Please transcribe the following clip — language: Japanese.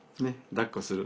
だっこする。